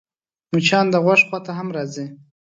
مچان د غوږ خوا ته هم راځي